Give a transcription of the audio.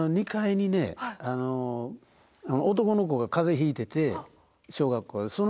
２階にね男の子が風邪ひいてて小学校で。